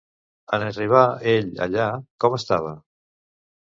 En arribar ell allà, com estava?